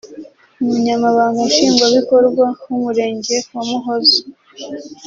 Umunyamabanga nshingwabikorwa w’Umurenge wa Muhoza